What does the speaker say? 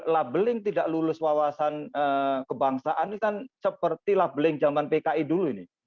labeling tidak lulus wawasan kebangsaan ini kan seperti labeling zaman pki dulu ini